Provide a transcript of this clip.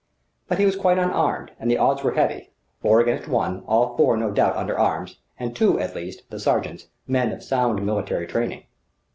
But he was quite unarmed, and the odds were heavy: four against one, all four no doubt under arms, and two at least the sergents men of sound military training.